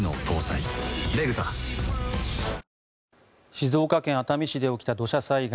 静岡県熱海市で起きた土砂災害。